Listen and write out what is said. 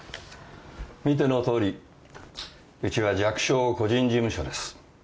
見てのとおりうちは弱小個人事務所です。